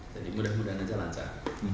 jadi mudah mudahan saja lancar